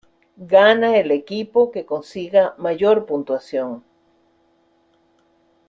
Gana el equipo que consiga mayor puntuación.